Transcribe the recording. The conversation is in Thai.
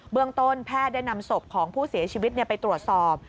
เมืองต้นแพทย์ได้นำศพของผู้เสียชีวิตไปตรวจสอบ